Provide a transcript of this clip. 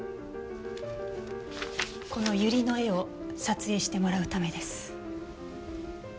このユリの絵を撮影してもらうためです。